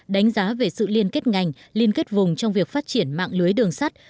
đánh giá về sự liên kết ngành liên kết vùng trong việc phát triển mạng lưới đường sắt